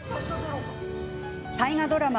大河ドラマ